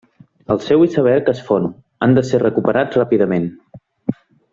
El seu iceberg es fon, han de ser recuperats ràpidament.